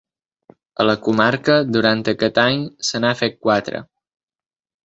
A la comarca, durant aquest any, se n’ha fet quatre.